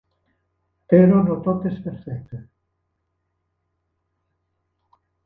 Però no tot és perfecte.